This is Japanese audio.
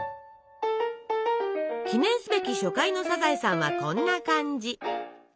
記念すべき初回の「サザエさん」はこんな感じ。